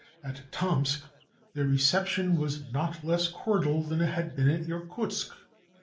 At Tomsk their reception was not less cordial than it had been at Irkutsk.